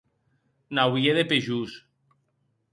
N'auie de pejors.